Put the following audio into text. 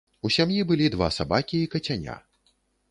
У сям'і былі два сабакі і кацяня.